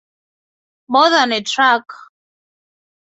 More Than A Truck!